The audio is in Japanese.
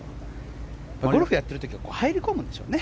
ゴルフやってる時は入り込むんでしょうね。